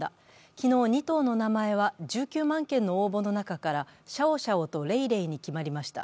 昨日、２頭の名前は１９万件の応募の中からシャオシャオとレイレイに決まりました。